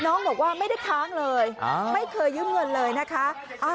น้องบอกว่าไม่ได้ค้างเลยไม่เคยยืมเงินเลยนะคะ